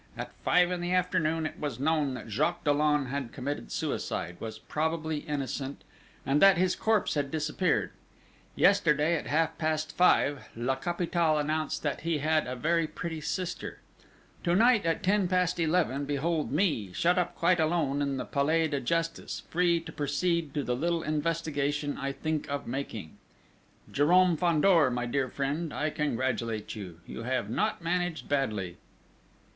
"At five in the afternoon it was known that Jacques Dollon had committed suicide; was probably innocent, and that his corpse had disappeared. Yesterday, at half past five, La Capitale announced that he had a very pretty sister.... To night at ten past eleven behold me, shut up quite alone in the Palais de Justice, free to proceed to the little investigation I think of making.... Jérôme Fandor, my dear friend, I congratulate you! You have not managed badly!...